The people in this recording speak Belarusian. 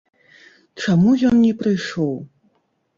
Чаму ён не прыйшоў?